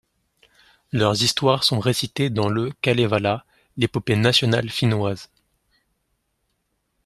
Leurs histoires sont récitées dans le Kalevala, l'épopée nationale finnoise.